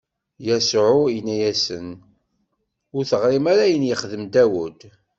Yasuɛ inna-asen: Ur teɣrim ara ayen i yexdem Dawed?